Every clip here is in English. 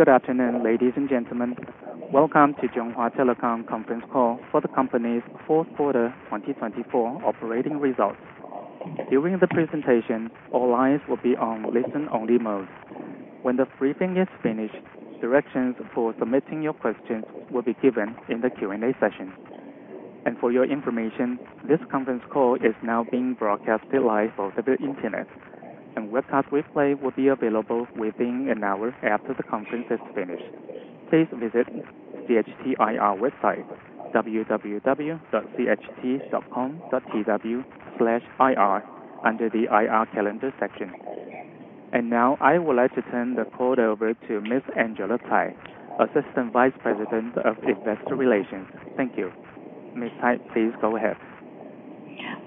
Good afternoon, ladies and gentlemen. Welcome to Chunghwa Telecom Conference Call for the company's fourth quarter 2024 operating results. During the presentation, all lines will be on listen-only mode. When the briefing is finished, directions for submitting your questions will be given in the Q&A session, and for your information, this conference call is now being broadcast live over the internet, and records will be available within an hour after the conference has finished. Please visit CHTIR website, www.cht.com.tw/ir under the IR calendar section, and now, I would like to turn the call over to Ms. Angela Tsai, Assistant Vice President of Investor Relations. Thank you. Ms. Tsai, please go ahead.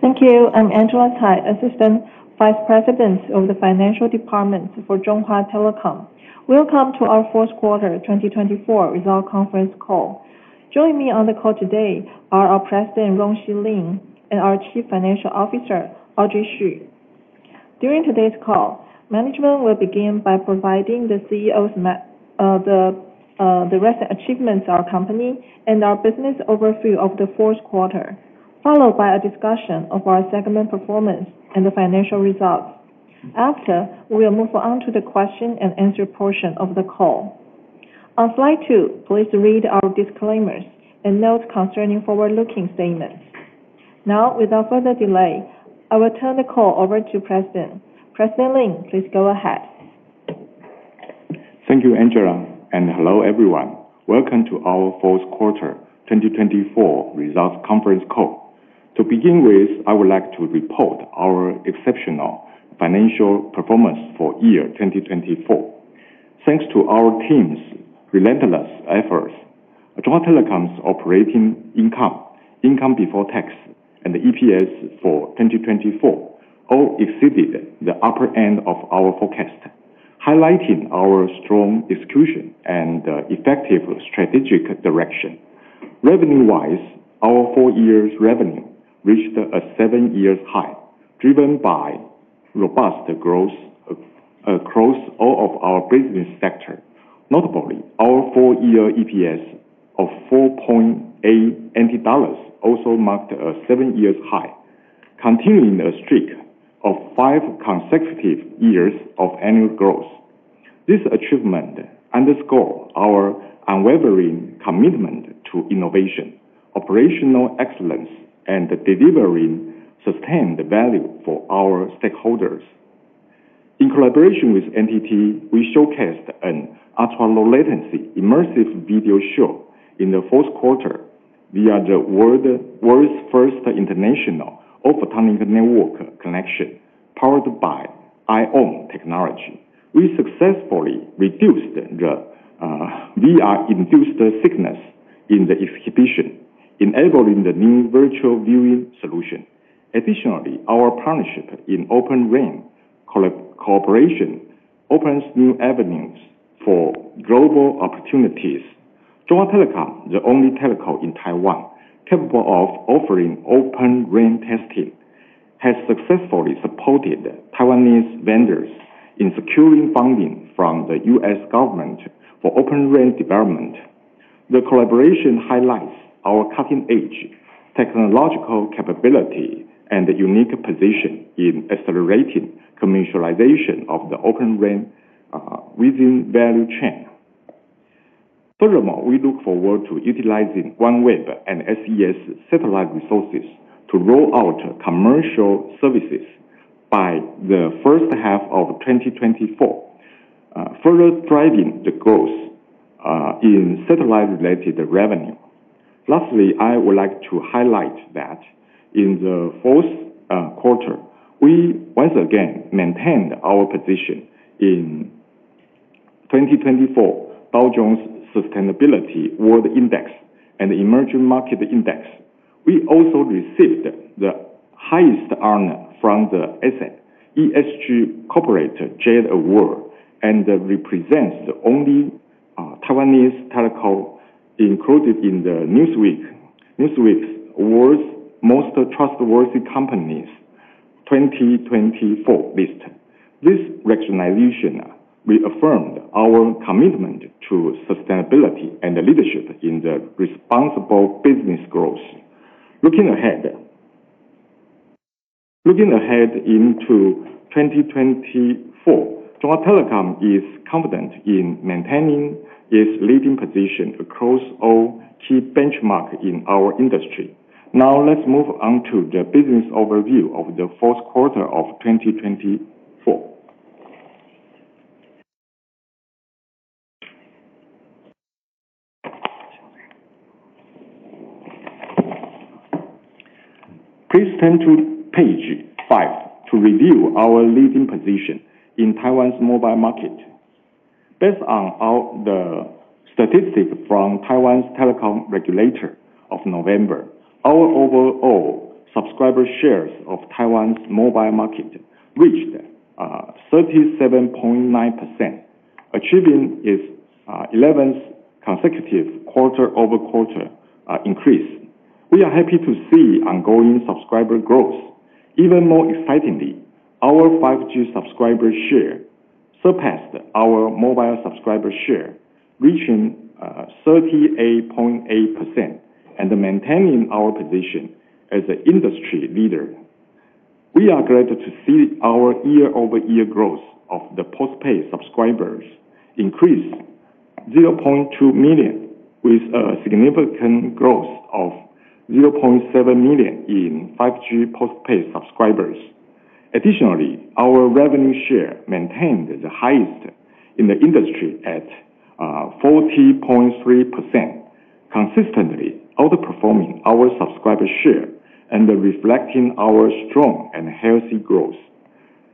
Thank you. I'm Angela Tsai, Assistant Vice President of the Financial Department for Chunghwa Telecom. Welcome to our fourth quarter 2024 results conference call. Joining me on the call today are our President, Rong-Shy Lin, and our Chief Financial Officer, Audrey Hsu. During today's call, management will begin by providing the CEO's recent achievements at our company and our business overview of the fourth quarter, followed by a discussion of our segment performance and the financial results. After, we will move on to the question-and-answer portion of the call. On slide two, please read our disclaimers and notes concerning forward-looking statements. Now, without further delay, I will turn the call over to President. President Lin, please go ahead. Thank you, Angela, and hello, everyone. Welcome to our fourth quarter 2024 results conference call. To begin with, I would like to report our exceptional financial performance for year 2024. Thanks to our team's relentless efforts, Chunghwa Telecom's operating income, income before tax, and EPS for 2024 all exceeded the upper end of our forecast, highlighting our strong execution and effective strategic direction. Revenue-wise, our full-year revenue reached a seven-year high, driven by robust growth across all of our business sectors. Notably, our full-year EPS of 4.80 also marked a seven-year high, continuing a streak of five consecutive years of annual growth. This achievement underscores our unwavering commitment to innovation, operational excellence, and delivering sustained value for our stakeholders. In collaboration with NTT, we showcased an ultra-low-latency immersive video show in the fourth quarter via the world's first international over-tunneling network connection powered by IOWN technology. We successfully reduced the VR-induced sickness in the exhibition, enabling the new virtual viewing solution. Additionally, our partnership in Open RAN cooperation opens new avenues for global opportunities. Chunghwa Telecom, the only telco in Taiwan capable of offering Open RAN testing, has successfully supported Taiwanese vendors in securing funding from the U.S. government for Open RAN development. The collaboration highlights our cutting-edge technological capability and unique position in accelerating commercialization of the Open RAN within the value chain. Furthermore, we look forward to utilizing OneWeb and SES satellite resources to roll out commercial services by the first half of 2024, further driving the growth in satellite-related revenue. Lastly, I would like to highlight that in the fourth quarter, we once again maintained our position in 2024 Dow Jones Sustainability World Index and the Emerging Markets Index. We also received the highest honor from the ESG Corporate Jade Award and represent the only Taiwanese telco included in Newsweek's Most Trustworthy Companies 2024 list. This recognition reaffirmed our commitment to sustainability and leadership in responsible business growth. Looking ahead into 2024, Chunghwa Telecom is confident in maintaining its leading position across all key benchmarks in our industry. Now, let's move on to the business overview of the fourth quarter of 2024. Please turn to page five to review our leading position in Taiwan's mobile market. Based on the statistics from Taiwan's telecom regulator of November, our overall subscriber shares of Taiwan's mobile market reached 37.9%, achieving its 11th consecutive quarter-over-quarter increase. We are happy to see ongoing subscriber growth. Even more excitingly, our 5G subscriber share surpassed our mobile subscriber share, reaching 38.8% and maintaining our position as an industry leader. We are glad to see our year-over-year growth of the postpaid subscribers increase 0.2 million, with a significant growth of 0.7 million in 5G postpaid subscribers. Additionally, our revenue share maintained the highest in the industry at 40.3%, consistently outperforming our subscriber share and reflecting our strong and healthy growth.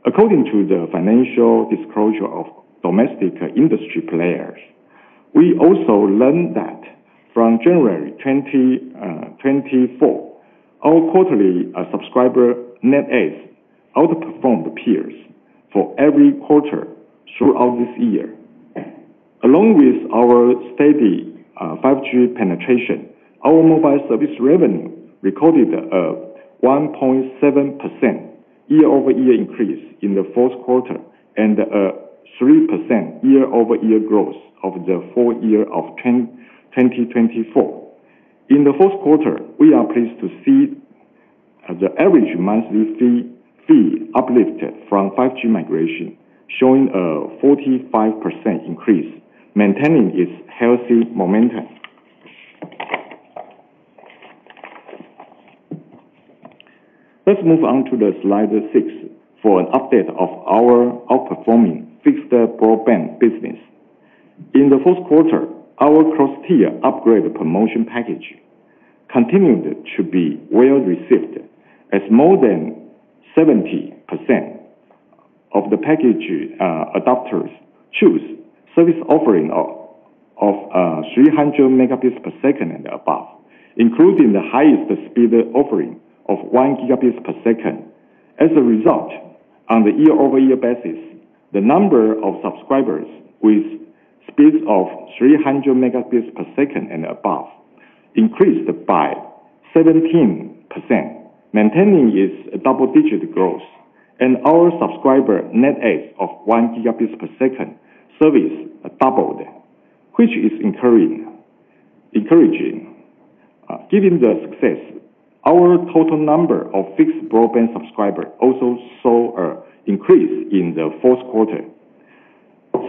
According to the financial disclosure of domestic industry players, we also learned that from January 2024, our quarterly subscriber net adds outperformed peers for every quarter throughout this year. Along with our steady 5G penetration, our mobile service revenue recorded a 1.7% year-over-year increase in the fourth quarter and a 3% year-over-year growth over the full year of 2024. In the fourth quarter, we are pleased to see the average monthly fee uplift from 5G migration, showing a 45% increase, maintaining its healthy momentum. Let's move on to slide six for an update of our outperforming fixed broadband business. In the fourth quarter, our cross-tier upgrade promotion package continued to be well received, as more than 70% of the package adopters chose service offering of 300 megabits per second and above, including the highest speed offering of one gigabit per second. As a result, on the year-over-year basis, the number of subscribers with speeds of 300 Mbps and above increased by 17%, maintaining its double-digit growth, and our subscriber net adds of one gigabit per second service doubled, which is encouraging. Given the success, our total number of fixed broadband subscribers also saw an increase in the fourth quarter.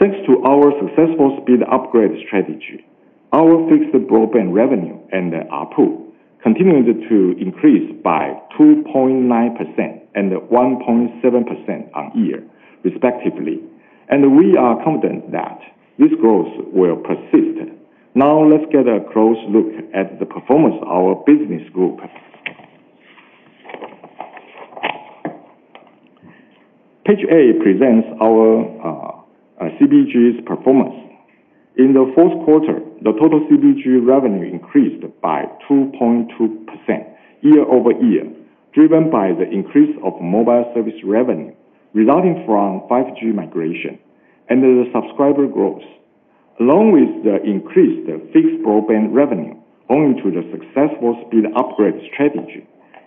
Thanks to our successful speed upgrade strategy, our fixed broadband revenue and ARPU continued to increase by 2.9% and 1.7% on year, respectively, and we are confident that this growth will persist. Now, let's get a close look at the performance of our business group. Page eight presents our CBG's performance. In the fourth quarter, the total CBG revenue increased by 2.2% year-over-year, driven by the increase of mobile service revenue resulting from 5G migration and the subscriber growth, along with the increased fixed broadband revenue owing to the successful speed upgrade strategy.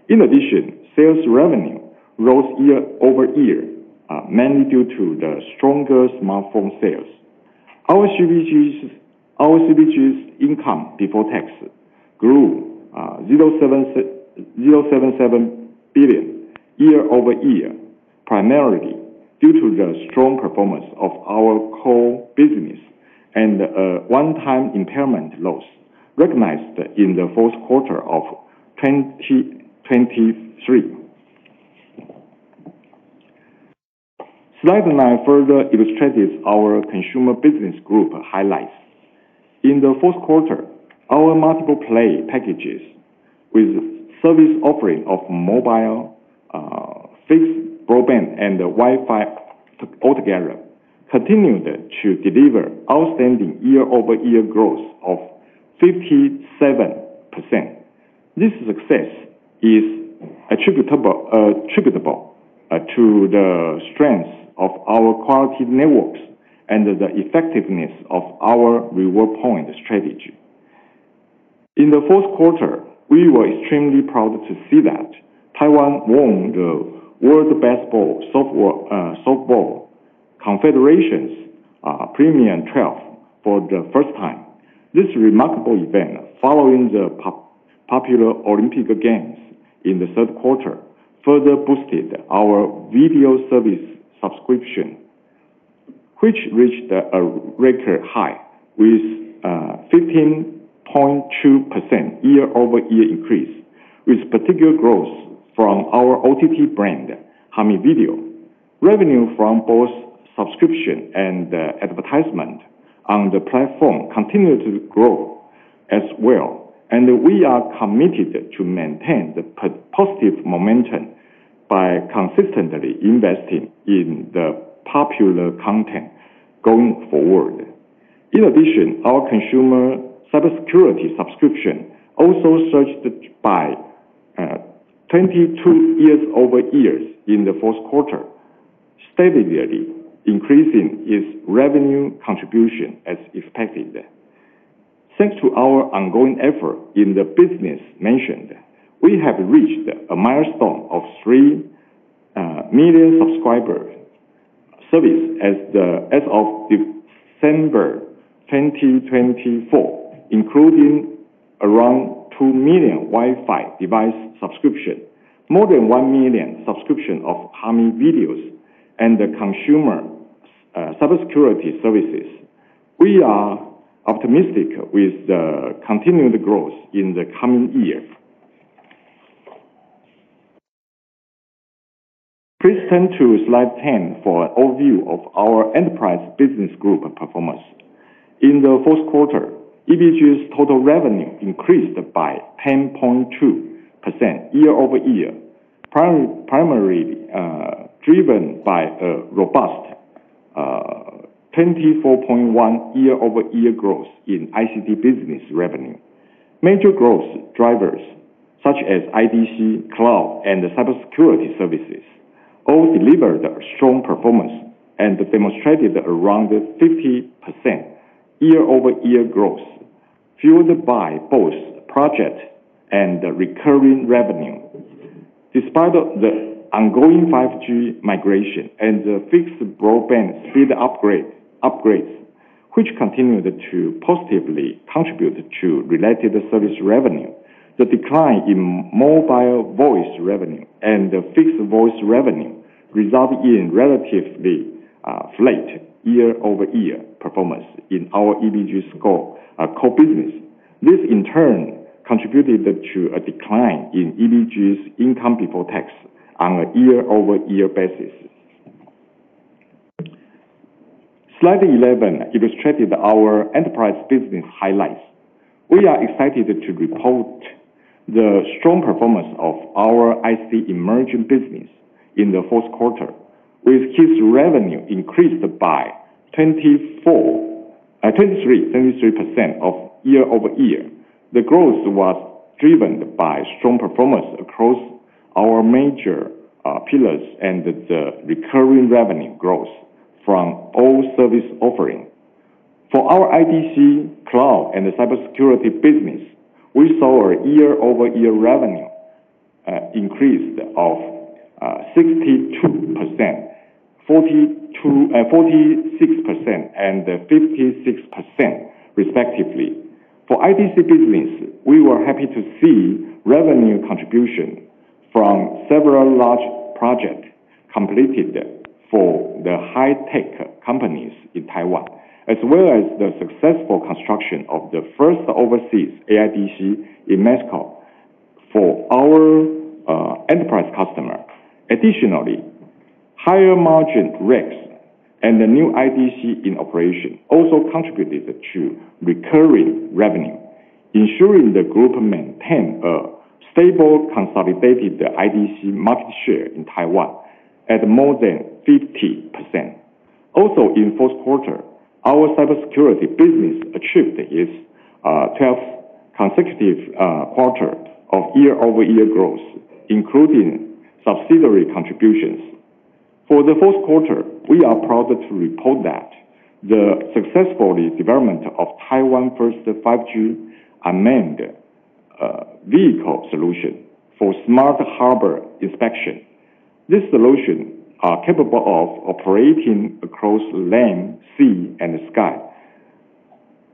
In addition, sales revenue rose year-over-year, mainly due to the stronger smartphone sales. Our CBG's income before tax grew 0.77 billion year-over-year, primarily due to the strong performance of our core business and one-time impairment loss recognized in the fourth quarter of 2023. Slide nine further illustrates our consumer business group highlights. In the fourth quarter, our multiple-play packages with service offering of mobile, fixed broadband, and Wi-Fi altogether continued to deliver outstanding year-over-year growth of 57%. This success is attributable to the strength of our quality networks and the effectiveness of our reward point strategy. In the fourth quarter, we were extremely proud to see that Taiwan won the World Baseball Softball Confederation's Premier12 for the first time. This remarkable event, following the popular Olympic Games in the third quarter, further boosted our video service subscription, which reached a record high with 15.2% year-over-year increase, with particular growth from our OTT brand, Hami Video. Revenue from both subscription and advertisement on the platform continued to grow as well, and we are committed to maintain the positive momentum by consistently investing in the popular content going forward. In addition, our consumer cybersecurity subscription also surged by 22% year-over-year in the fourth quarter, steadily increasing its revenue contribution as expected. Thanks to our ongoing effort in the business mentioned, we have reached a milestone of three million subscriber service as of December 2024, including around two million Wi-Fi device subscriptions, more than one million subscriptions of Hami Video, and consumer cybersecurity services. We are optimistic with the continued growth in the coming year. Please turn to slide 10 for an overview of our enterprise business group performance. In the fourth quarter, EBG's total revenue increased by 10.2% year-over-year, primarily driven by a robust 24.1% year-over-year growth in ICT business revenue. Major growth drivers, such as IDC, cloud, and cybersecurity services, all delivered strong performance and demonstrated around 50% year-over-year growth, fueled by both project and recurring revenue. Despite the ongoing 5G migration and fixed broadband speed upgrades, which continued to positively contribute to related service revenue, the decline in mobile voice revenue and fixed voice revenue resulted in relatively flat year-over-year performance in our EBG's core business. This, in turn, contributed to a decline in EBG's income before tax on a year-over-year basis. Slide 11 illustrated our enterprise business highlights. We are excited to report the strong performance of our ICT emerging business in the fourth quarter, with key revenue increased by 23% year-over-year. The growth was driven by strong performance across our major pillars and the recurring revenue growth from all service offerings. For our IDC, cloud, and cybersecurity business, we saw a year-over-year revenue increase of 62%, 46%, and 56%, respectively. For IDC business, we were happy to see revenue contribution from several large projects completed for the high-tech companies in Taiwan, as well as the successful construction of the first overseas AI DC in Mexico for our enterprise customer. Additionally, higher-margin IDC and the new IDC in operation also contributed to recurring revenue, ensuring the group maintained a stable, consolidated IDC market share in Taiwan at more than 50%. Also, in the fourth quarter, our cybersecurity business achieved its 12th consecutive quarter of year-over-year growth, including subsidiary contributions. For the fourth quarter, we are proud to report that the successful development of Taiwan First 5G unmanned vehicle solution for smart harbor inspection. This solution is capable of operating across land, sea, and sky,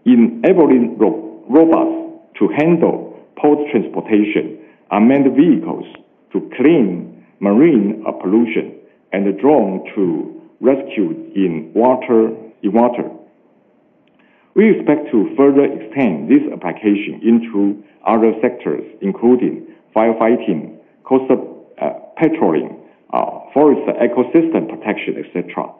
enabling robots to handle port transportation, unmanned vehicles to clean marine pollution, and drones to rescue in water. We expect to further extend this application into other sectors, including firefighting, coastal patrolling, forest ecosystem protection, etc.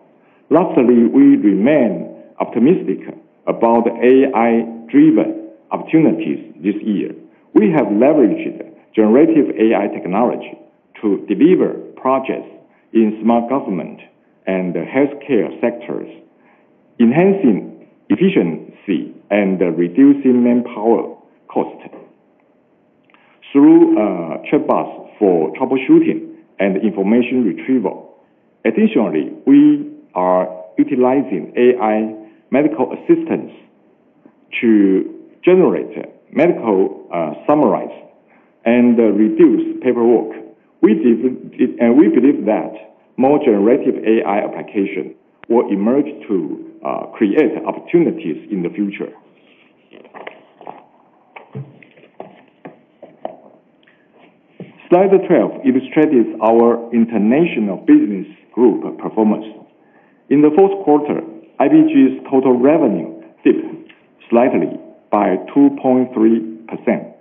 Lastly, we remain optimistic about AI-driven opportunities this year. We have leveraged generative AI technology to deliver projects in smart government and healthcare sectors, enhancing efficiency and reducing manpower costs through chatbots for troubleshooting and information retrieval. Additionally, we are utilizing AI medical assistance to generate medical summaries and reduce paperwork. We believe that more generative AI applications will emerge to create opportunities in the future. Slide 12 illustrates our international business group performance. In the fourth quarter, IBG's total revenue dipped slightly by 2.3%,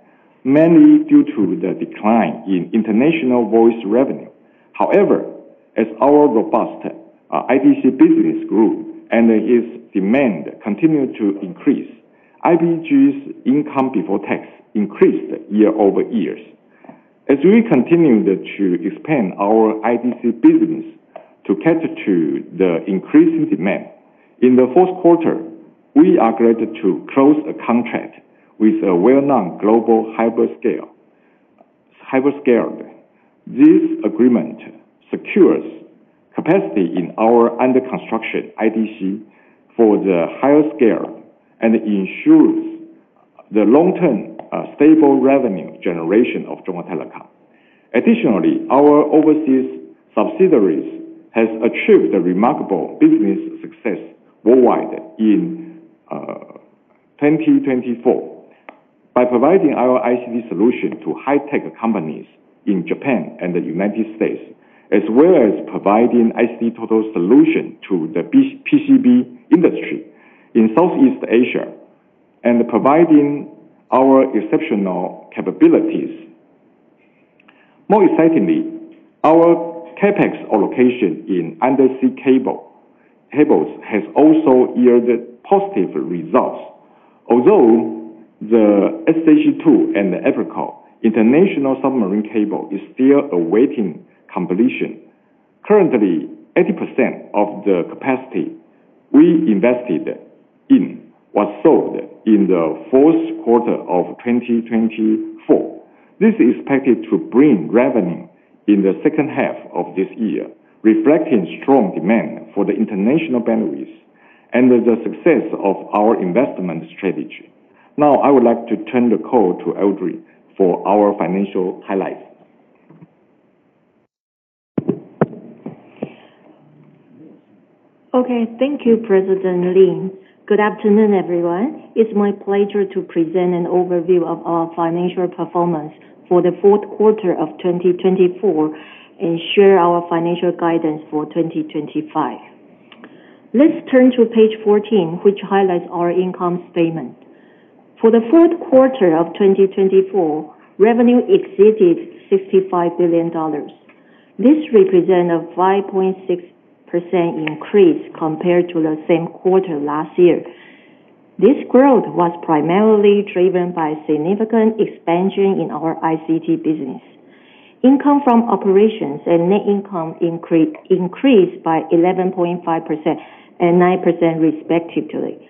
mainly due to the decline in international voice revenue. However, as our robust IDC business grew and its demand continued to increase, IBG's income before tax increased year-over-year. As we continued to expand our IDC business to cater to the increasing demand, in the fourth quarter, we agreed to close a contract with a well-known global hyperscaler. This agreement secures capacity in our under-construction IDC for the higher scale and ensures the long-term stable revenue generation of Chunghwa Telecom. Additionally, our overseas subsidiaries have achieved remarkable business success worldwide in 2024 by providing our ICT solution to high-tech companies in Japan and the United States, as well as providing ICT total solution to the PCB industry in Southeast Asia and providing our exceptional capabilities. More excitingly, our CAPEX allocation in undersea cables has also yielded positive results. Although the SJC2 and the Apricot international submarine cable is still awaiting completion, currently, 80% of the capacity we invested in was sold in the fourth quarter of 2024. This is expected to bring revenue in the second half of this year, reflecting strong demand for the international bandwidth and the success of our investment strategy. Now, I would like to turn the call to Audrey for our financial highlights. Okay. Thank you, President Lin. Good afternoon, everyone. It's my pleasure to present an overview of our financial performance for the fourth quarter of 2024 and share our financial guidance for 2025. Let's turn to page 14, which highlights our income statement. For the fourth quarter of 2024, revenue exceeded 65 billion dollars. This represents a 5.6% increase compared to the same quarter last year. This growth was primarily driven by significant expansion in our ICT business. Income from operations and net income increased by 11.5% and 9%, respectively.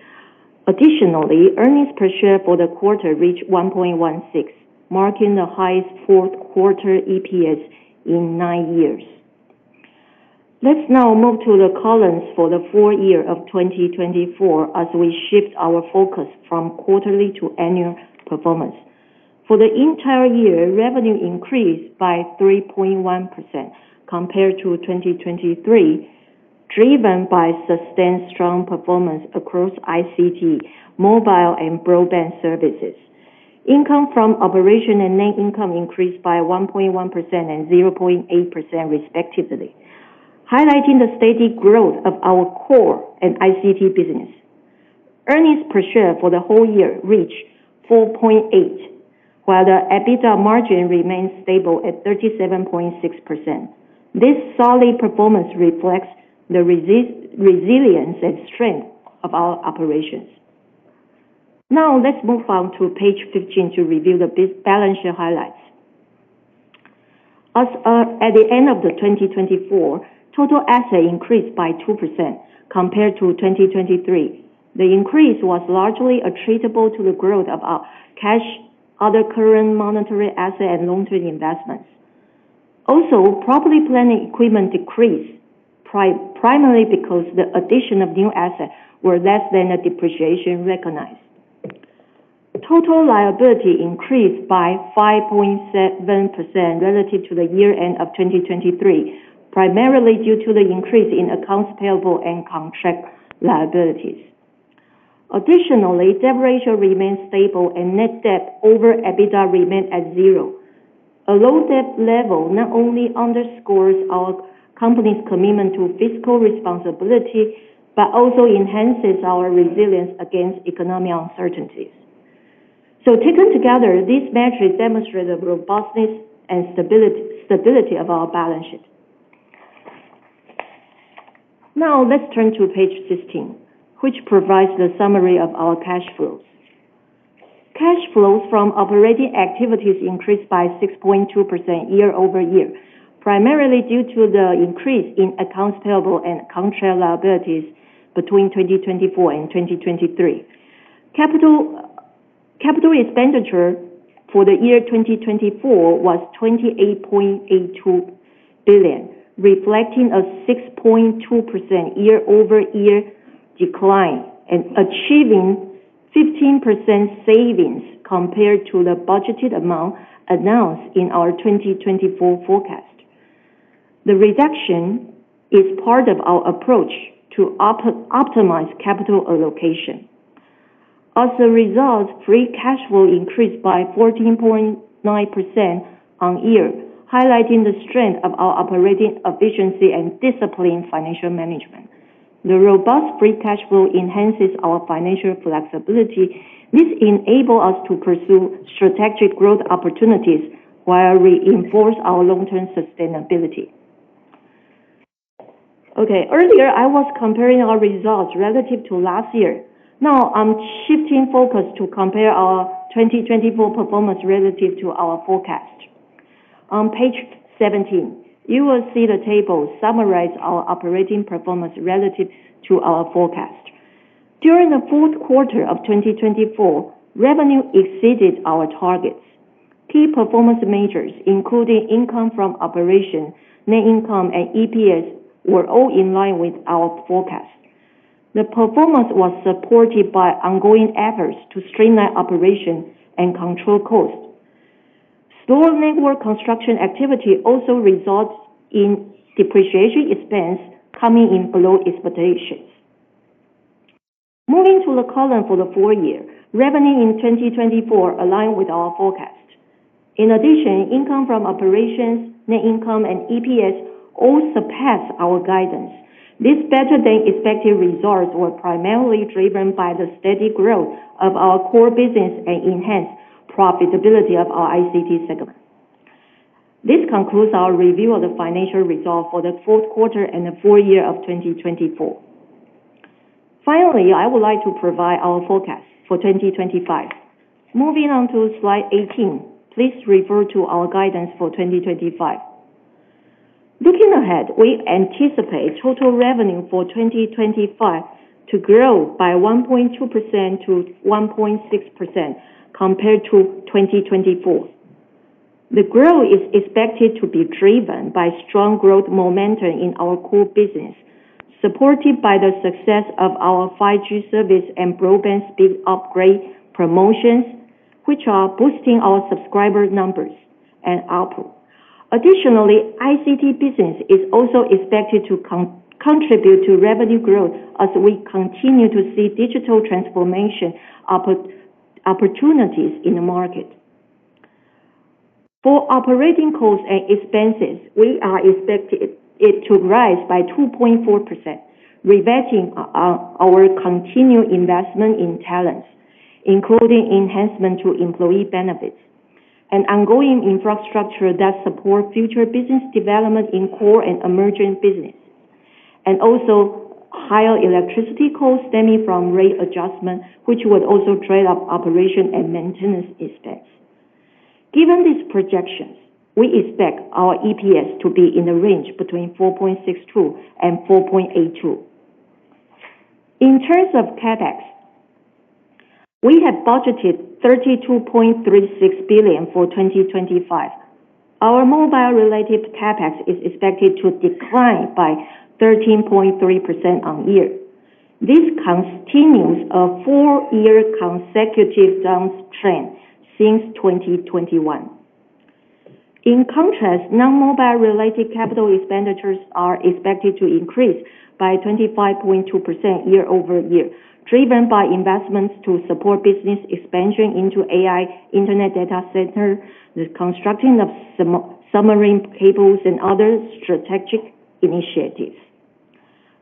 Additionally, earnings per share for the quarter reached 1.16, marking the highest fourth quarter EPS in nine years. Let's now move to the columns for the full year of 2024 as we shift our focus from quarterly to annual performance. For the entire year, revenue increased by 3.1% compared to 2023, driven by sustained strong performance across ICT, mobile, and broadband services. Income from operations and net income increased by 1.1% and 0.8%, respectively, highlighting the steady growth of our core and ICT business. Earnings per share for the whole year reached 4.8, while the EBITDA margin remained stable at 37.6%. This solid performance reflects the resilience and strength of our operations. Now, let's move on to page 15 to review the balance sheet highlights. At the end of 2024, total assets increased by 2% compared to 2023. The increase was largely attributable to the growth of cash, other current monetary assets, and long-term investments. Property, plant, and equipment decreased primarily because the addition of new assets was less than the depreciation recognized. Total liabilities increased by 5.7% relative to the year-end of 2023, primarily due to the increase in accounts payable and contract liabilities. Additionally, debt ratio remained stable and net debt over EBITDA remained at zero. A low debt level not only underscores our company's commitment to fiscal responsibility but also enhances our resilience against economic uncertainties. So, taken together, these metrics demonstrate the robustness and stability of our balance sheet. Now, let's turn to page 16, which provides the summary of our cash flows. Cash flows from operating activities increased by 6.2% year-over-year, primarily due to the increase in accounts payable and contract liabilities between 2024 and 2023. Capital expenditure for the year 2024 was 28.82 billion, reflecting a 6.2% year-over-year decline and achieving 15% savings compared to the budgeted amount announced in our 2024 forecast. The reduction is part of our approach to optimize capital allocation. As a result, free cash flow increased by 14.9% on year, highlighting the strength of our operating efficiency and disciplined financial management. The robust free cash flow enhances our financial flexibility. This enables us to pursue strategic growth opportunities while reinforcing our long-term sustainability. Okay. Earlier, I was comparing our results relative to last year. Now, I'm shifting focus to compare our 2024 performance relative to our forecast. On page 17, you will see the table summarizing our operating performance relative to our forecast. During the fourth quarter of 2024, revenue exceeded our targets. Key performance measures, including income from operations, net income, and EPS, were all in line with our forecast. The performance was supported by ongoing efforts to streamline operations and control costs. Slower network construction activity also resulted in depreciation expense coming in below expectations. Moving to the column for the fourth year, revenue in 2024 aligned with our forecast. In addition, income from operations, net income, and EPS all surpassed our guidance. These better-than-expected results were primarily driven by the steady growth of our core business and enhanced profitability of our ICT segment. This concludes our review of the financial results for the fourth quarter and the fourth year of 2024. Finally, I would like to provide our forecast for 2025. Moving on to slide 18, please refer to our guidance for 2025. Looking ahead, we anticipate total revenue for 2025 to grow by 1.2%-1.6% compared to 2024. The growth is expected to be driven by strong growth momentum in our core business, supported by the success of our 5G service and broadband speed upgrade promotions, which are boosting our subscriber numbers and output. Additionally, ICT business is also expected to contribute to revenue growth as we continue to see digital transformation opportunities in the market. For operating costs and expenses, we are expecting it to rise by 2.4%, reflecting our continued investment in talent, including enhancement to employee benefits and ongoing infrastructure that supports future business development in core and emerging business, and also higher electricity costs stemming from rate adjustment, which would also trade off operation and maintenance expense. Given these projections, we expect our EPS to be in the range between 4.62 and 4.82. In terms of CAPEX, we have budgeted 32.36 billion for 2025. Our mobile-related CAPEX is expected to decline by 13.3% on year. This continues a four-year consecutive downtrend since 2021. In contrast, non-mobile-related capital expenditures are expected to increase by 25.2% year-over-year, driven by investments to support business expansion into AI, internet data center, the construction of submarine cables, and other strategic initiatives.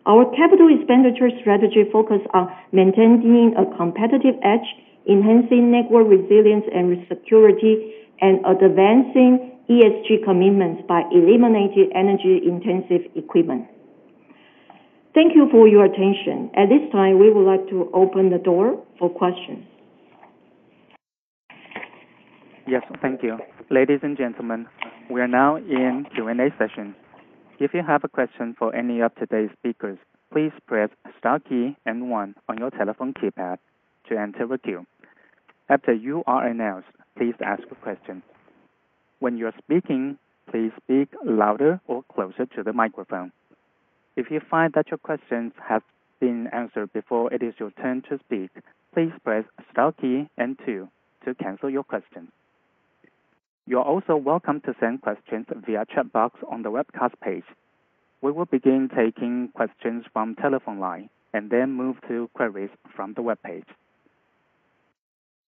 Our capital expenditure strategy focuses on maintaining a competitive edge, enhancing network resilience and security, and advancing ESG commitments by eliminating energy-intensive equipment. Thank you for your attention. At this time, we would like to open the floor for questions. Yes. Thank you. Ladies and gentlemen, we are now in Q&A session. If you have a question for any of today's speakers, please press star key and one on your telephone keypad to enter a queue. After you are announced, please ask a question. When you are speaking, please speak louder or closer to the microphone. If you find that your questions have been answered before, it is your turn to speak. Please press star key and two to cancel your question. You are also welcome to send questions via chat box on the webcast page. We will begin taking questions from the telephone line and then move to queries from the webpage.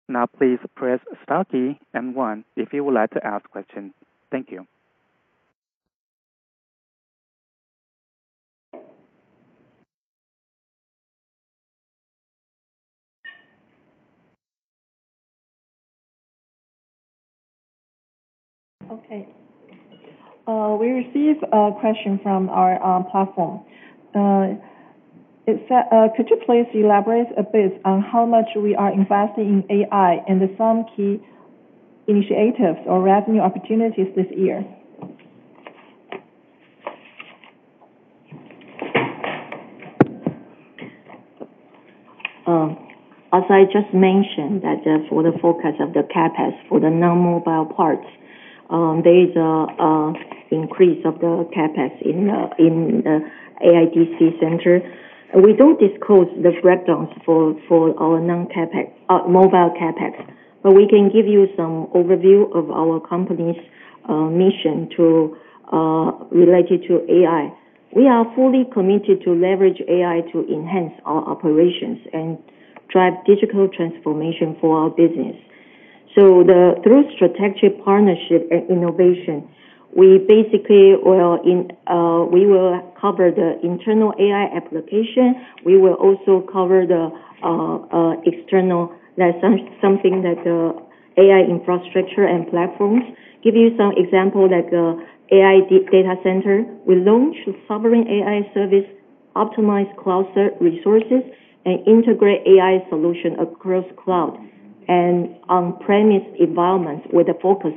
Now, please press star key and one if you would like to ask a question. Thank you. Okay. We received a question from our platform. It said, "Could you please elaborate a bit on how much we are investing in AI and some key initiatives or revenue opportunities this year?" As I just mentioned, that for the focus of the CAPEX for the non-mobile parts, there is an increase of the CAPEX in the AI DC center. We don't disclose the breakdowns for our non-mobile CAPEX, but we can give you some overview of our company's mission related to AI. We are fully committed to leverage AI to enhance our operations and drive digital transformation for our business. Through strategic partnership and innovation, we basically will cover the internal AI application. We will also cover the external, something like the AI infrastructure and platforms. Give you some examples, like the AI data center. We launched a Sovereign AI service, optimized cloud resources, and integrated AI solutions across cloud and on-premise environments with a focus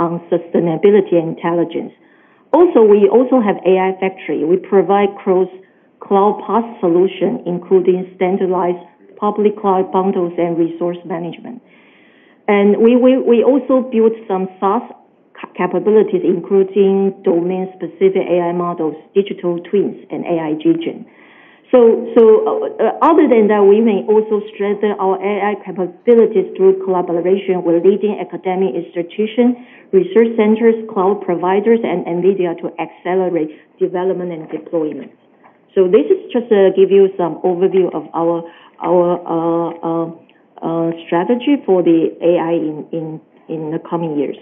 on sustainability and intelligence. We also have an AI factory. We provide cross-cloud PaaS solutions, including standardized public cloud bundles and resource management. And we also built some SaaS capabilities, including domain-specific AI models, digital twins, and AI agents. So, other than that, we may also strengthen our AI capabilities through collaboration with leading academic institutions, research centers, cloud providers, and NVIDIA to accelerate development and deployment. So, this is just to give you some overview of our strategy for the AI in the coming years.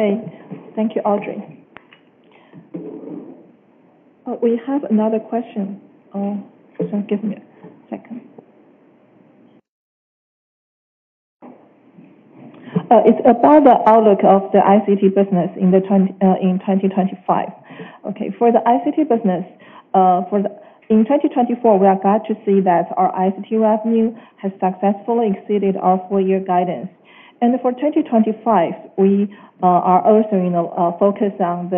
Okay. Thank you, Audrey. We have another question. Just give me a second. It's about the outlook of the ICT business in 2025. Okay. For the ICT business, in 2024, we are glad to see that our ICT revenue has successfully exceeded our four-year guidance. And for 2025, we are also focused on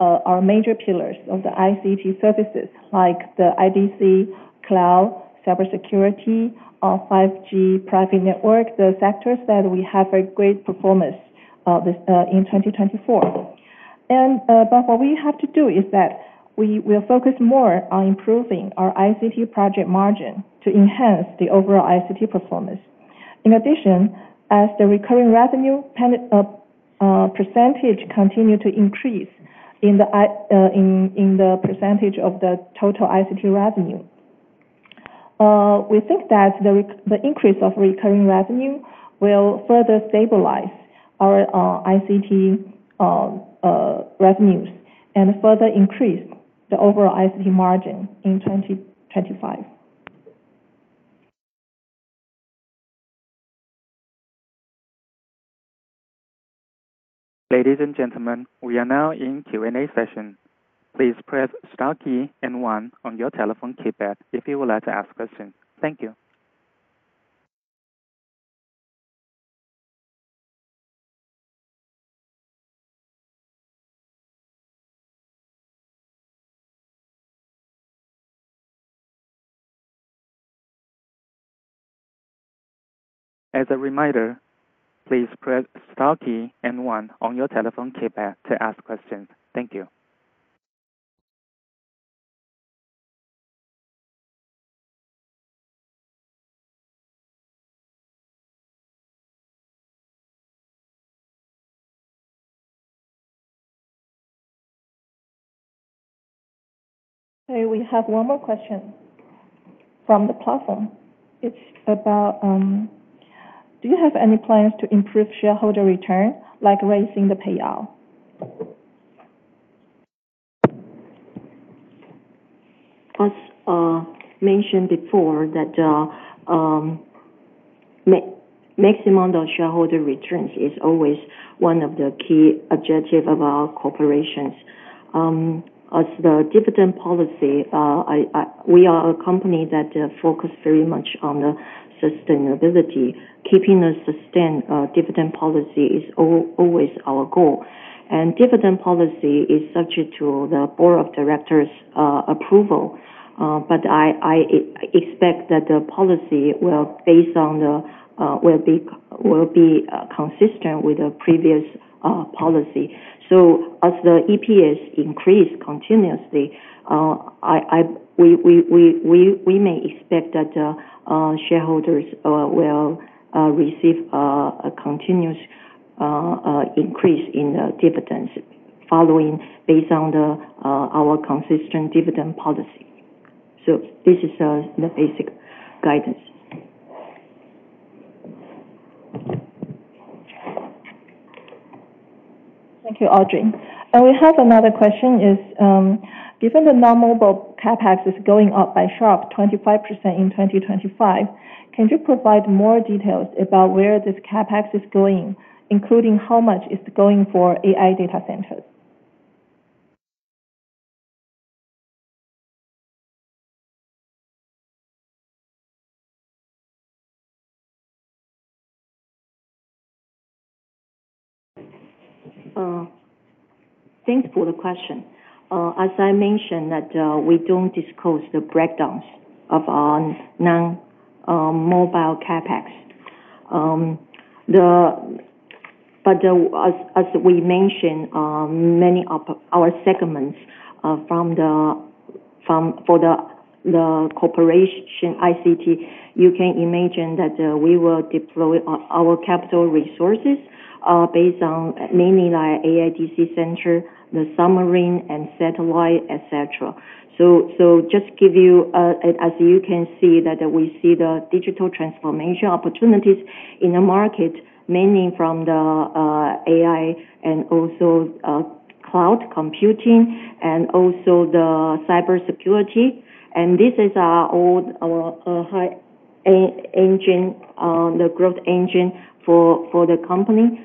our major pillars of the ICT services, like the IDC, cloud, cybersecurity, 5G, private network, the sectors that we have a great performance in 2024. And what we have to do is that we will focus more on improving our ICT project margin to enhance the overall ICT performance. In addition, as the recurring revenue percentage continues to increase in the percentage of the total ICT revenue, we think that the increase of recurring revenue will further stabilize our ICT revenues and further increase the overall ICT margin in 2025. Ladies and gentlemen, we are now in Q&A session. Please press star key and one on your telephone keypad if you would like to ask a question. Thank you. As a reminder, please press star key and one on your telephone keypad to ask a question. Thank you. Okay. We have one more question from the platform. It's about, "Do you have any plans to improve shareholder return, like raising the payout?" As mentioned before, that maximum shareholder returns is always one of the key objectives of our corporations. As the dividend policy, we are a company that focuses very much on sustainability. Keeping a sustained dividend policy is always our goal. And dividend policy is subject to the board of directors' approval. But I expect that the policy will be consistent with the previous policy. So, as the EPS increases continuously, we may expect that shareholders will receive a continuous increase in dividends based on our consistent dividend policy. So, this is the basic guidance. Thank you, Audrey. And we have another question. Given the non-mobile CapEx is going up by sharply 25% in 2025, can you provide more details about where this CapEx is going, including how much it's going for AI data centers? Thank you for the question. As I mentioned, we don't disclose the breakdowns of our non-mobile CapEx. But as we mentioned, many of our segments for the corporation ICT. You can imagine that we will deploy our capital resources based on mainly AI DC centers, the submarine, and satellite, etc. So, just give you, as you can see, that we see the digital transformation opportunities in the market, mainly from the AI and also cloud computing and also the cybersecurity. And this is our engine, the growth engine for the company.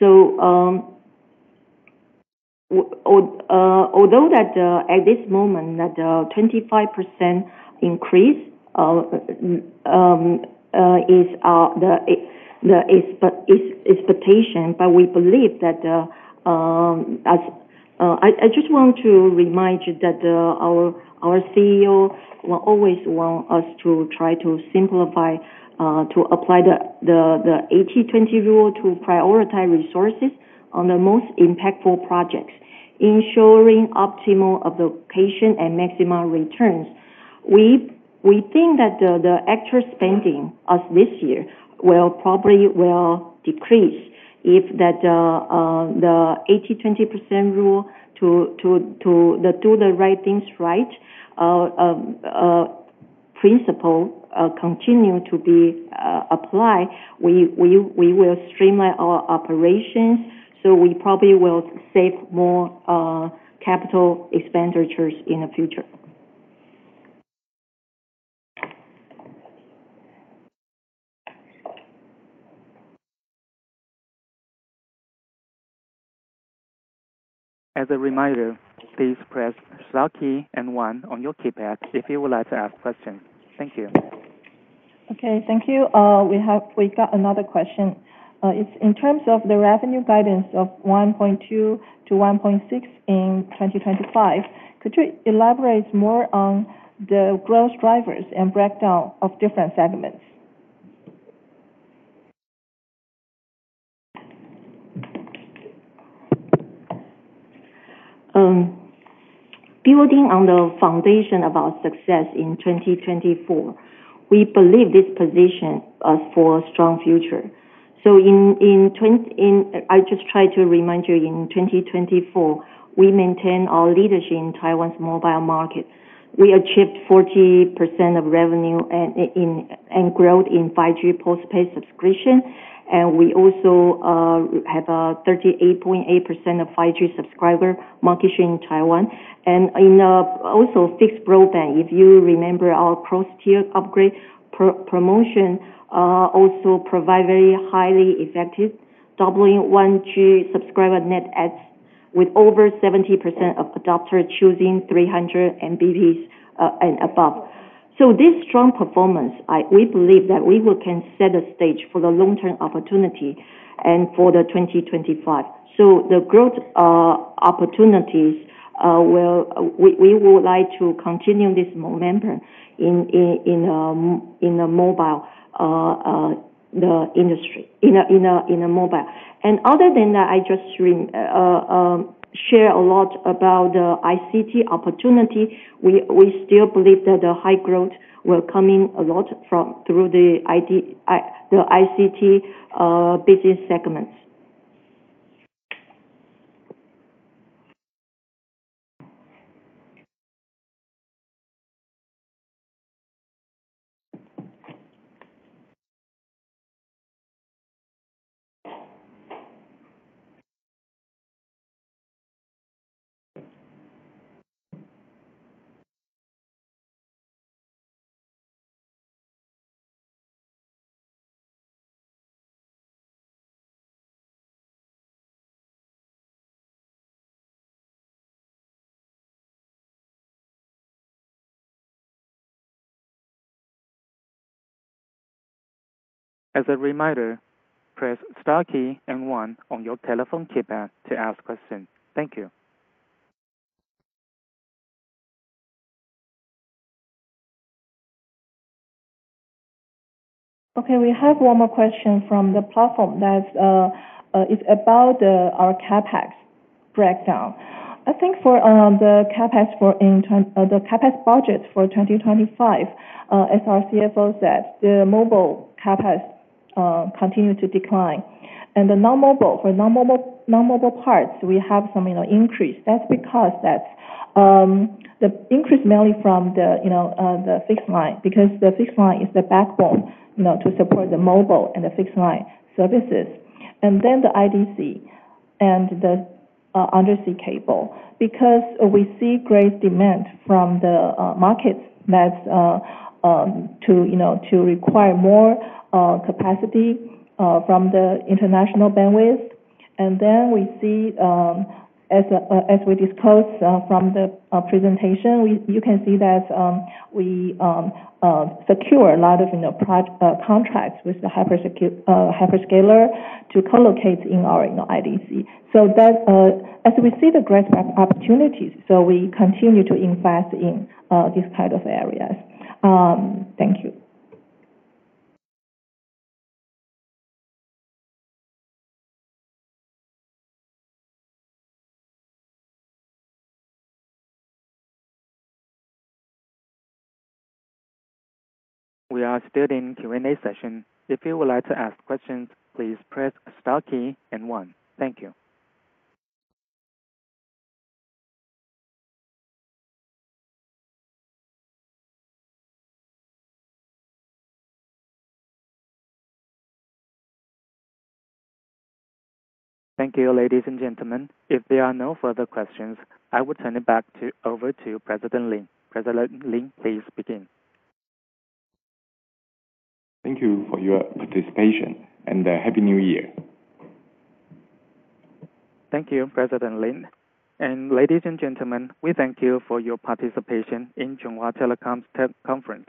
So, although at this moment, the 25% increase is the expectation, but we believe that I just want to remind you that our CEO will always want us to try to simplify, to apply the 80/20 rule to prioritize resources on the most impactful projects, ensuring optimal application and maximum returns. We think that the extra spending this year will probably decrease if the 80/20% rule to do the right things right principle continues to be applied. We will streamline our operations, so we probably will save more capital expenditures in the future. As a reminder, please press star key and one on your keypad if you would like to ask a question. Thank you. Okay. Thank you. We got another question. In terms of the revenue guidance of 1.2-1.6 in 2025, could you elaborate more on the growth drivers and breakdown of different segments? Building on the foundation of our success in 2024, we believe this position is for a strong future, so I just try to remind you, in 2024, we maintained our leadership in Taiwan's mobile market. We achieved 40% of revenue and growth in 5G postpaid subscription. And we also have a 38.8% of 5G subscriber market share in Taiwan. And also, fixed broadband, if you remember our cross-tier upgrade promotion, also provided very highly effective doubling 1G subscriber net adds with over 70% of adopters choosing 300 Mbps and above, so this strong performance, we believe that we can set the stage for the long-term opportunity and for 2025, so the growth opportunities, we would like to continue this momentum in the mobile industry, in the mobile. And other than that, I just shared a lot about the ICT opportunity. We still believe that the high growth will come in a lot through the ICT business segments. As a reminder, press star key and 1 on your telephone keypad to ask a question. Thank you. Okay. We have one more question from the platform that is about our CAPEX breakdown. I think for the CAPEX budget for 2025, as our CFO said, the mobile CAPEX continued to decline. For non-mobile parts, we have some increase. That's because the increase is mainly from the fixed line, because the fixed line is the backbone to support the mobile and the fixed line services. Then the IDC and the undersea cable, because we see great demand from the markets to require more capacity from the international bandwidth. Then we see, as we disclosed from the presentation, you can see that we secure a lot of contracts with the hyperscaler to co-locate in our IDC. As we see the great opportunities, we continue to invest in these kinds of areas. Thank you. We are still in Q&A session. If you would like to ask questions, please press star key and one. Thank you. Thank you, ladies and gentlemen. If there are no further questions, I will turn it back over to President Lin. President Lin, please begin. Thank you for your participation and happy New Year. Thank you, President Lin, and ladies and gentlemen, we thank you for your participation in Chunghwa Telecom's tech conference.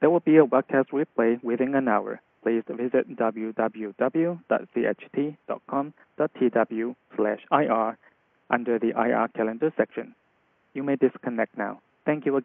There will be a webcast replay within an hour. Please visit www.cht.com.tw/ir under the IR calendar section. You may disconnect now. Thank you again.